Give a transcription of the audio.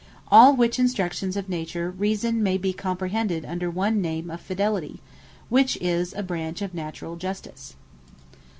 All which Instructions of naturall Reason may be comprehended under one name of Fidelity; which is a branch of naturall Justice.